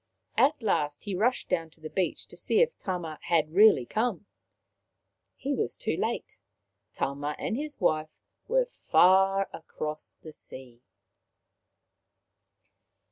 At last he rushed down to the beach to see if Tama had really come. He was too late. Tama and his wife were far across the sea.